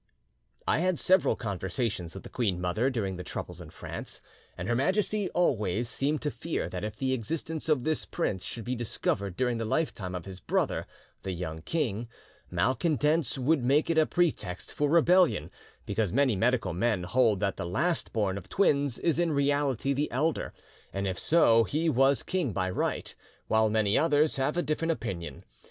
"'I had several conversations with the queen mother during the troubles in France, and Her Majesty always seemed to fear that if the existence of the prince should be discovered during the lifetime of his brother, the young king, malcontents would make it a pretext for rebellion, because many medical men hold that the last born of twins is in reality the elder, and if so, he was king by right, while many others have a different opinion.